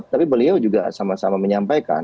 tapi beliau juga sama sama menyampaikan